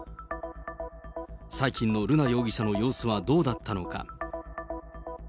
最近の瑠奈容疑者の様子はどうだったのか。